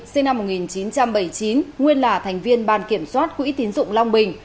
sinh năm một nghìn chín trăm bảy mươi chín nguyên là thành viên ban kiểm soát quỹ tiến dụng long bình